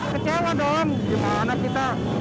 kecewa dong gimana kita